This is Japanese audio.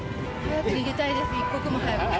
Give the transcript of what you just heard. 逃げたいです、一刻も早く。